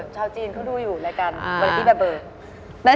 ใช่ฮะมีล่ำ